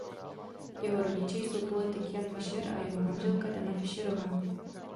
Jeho rodiče jsou politik Jan Fischer a jeho manželka Dana Fischerová.